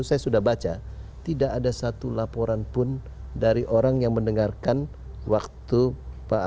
saya sudah baca tidak ada satu laporan pun dari orang yang mendengarkan waktu pak